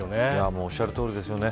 おっしゃるとおりですよね。